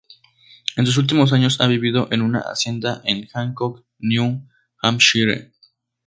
En sus últimos años, ha vivido en una hacienda en Hancock, New Hampshire.